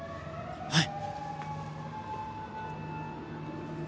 はい。